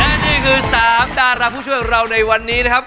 และนี่คือ๓ดาราผู้ช่วยของเราในวันนี้นะครับ